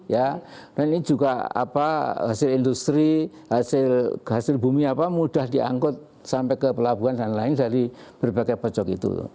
ya dan ini juga hasil industri hasil bumi apa mudah diangkut sampai ke pelabuhan dan lain dari berbagai pojok itu